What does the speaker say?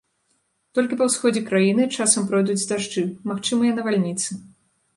Толькі па ўсходзе краіны часам пройдуць дажджы, магчымыя навальніцы.